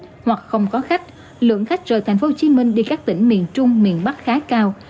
nhưng không có khách lượng khách rời tp hcm đi các tỉnh miền trung miền bắc khá cao